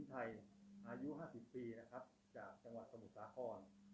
หญิงไทยอายุ๕๐ปีนะครับจากจังหวัดสมุทรสาหรณ์